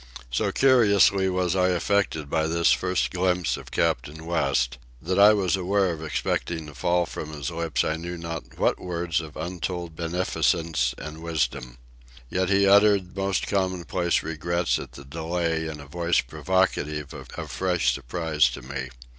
So curiously was I affected by this first glimpse of Captain West that I was aware of expecting to fall from his lips I knew not what words of untold beneficence and wisdom. Yet he uttered most commonplace regrets at the delay in a voice provocative of fresh surprise to me.